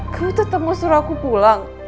kamu tetep mau suruh aku pulang